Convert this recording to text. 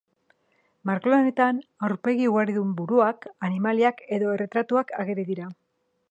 Margolanetan aurpegi ugaridun buruak, animaliak edo ta erretratuak ageri dira.